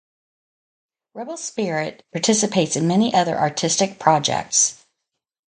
Rebel Spirit participates in many other artistic projects.